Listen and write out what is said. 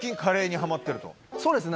そうですね